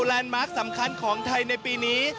แลนดมาร์คสำคัญของไทยในปีนี้